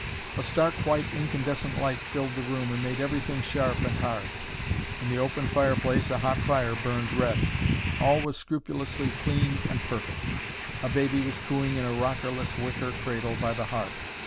A stark white incandescent light filled the room and made everything sharp and hard. In the open fire place a hot fire burned red. All was scrupulously clean and perfect. A baby was cooing in a rocker less wicker cradle by the hearth.